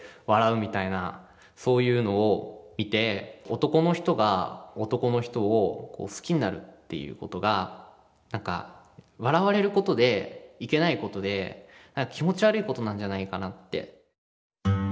男の人が男の人を好きになるっていうことが笑われることでいけないことで気持ち悪いことなんじゃないかなって。